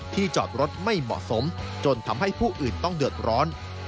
จอดรถไม่เหมาะสมจนทำให้ผู้อื่นต้องเดือดร้อน